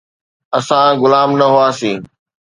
اسان غلام نه هئاسين.